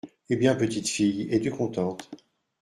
Eh bien, petite fille, es-tu contente ?…